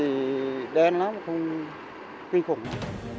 thì đen lắm không kinh khủng lắm